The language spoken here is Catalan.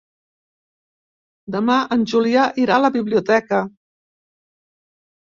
Demà en Julià irà a la biblioteca.